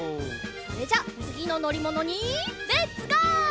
それじゃあつぎののりものにレッツゴー！